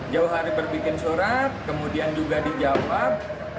jauh hari berbikin surat kemudian juga dijawab